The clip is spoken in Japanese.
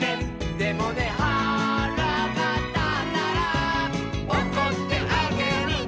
「でもねはらがたったら」「おこってあげるね」